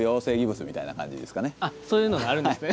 あっそういうのがあるんですね。